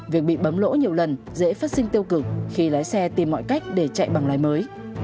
việc bị bấm lỗ nhiều lần dễ phát sinh tiêu cực khi lái xe tìm mọi cách để chạy bằng lái mới